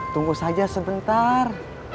tunggu saja sebentar